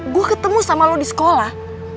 gue ketemu sama lo di sekolah